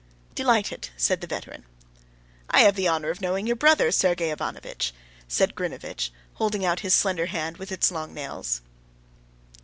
"Delighted," said the veteran. "I have the honor of knowing your brother, Sergey Ivanovitch," said Grinevitch, holding out his slender hand with its long nails.